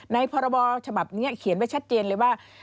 พรบฉบับนี้เขียนไว้ชัดเจนเลยว่า